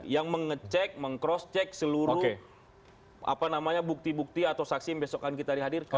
yang mengecek meng cross check seluruh bukti bukti atau saksi yang besok akan kita dihadirkan